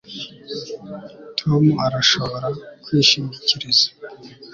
Tom arashobora kwishingikiriza